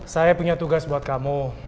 saya punya tugas buat kamu